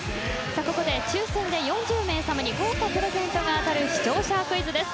ここで抽選で４０名さまに豪華プレゼントが当たる視聴者クイズです。